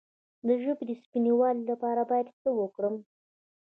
د ژبې د سپینوالي لپاره باید څه وکړم؟